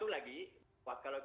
nah ini adalah pembukaan pusat